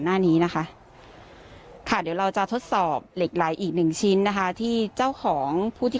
หน้านี้นะคะค่ะเดี๋ยวเราจะทดสอบเหล็กไหลอีกหนึ่งชิ้นนะคะที่เจ้าของผู้ที่